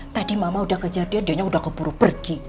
tadi mama udah kejar dia dia udah keburu pergi